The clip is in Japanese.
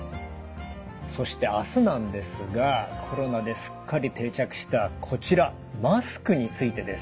そして明日なんですがコロナですっかり定着したこちらマスクについてです。